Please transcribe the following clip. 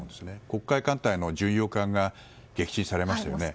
黒海艦隊の巡洋艦が撃沈されましたね。